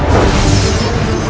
sampai jumpa lagi